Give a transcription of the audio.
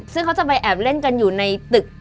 ซึ่งเขาจะไปแอบเล่นกันอยู่ในตึก